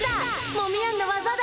モミヤンのわざだ！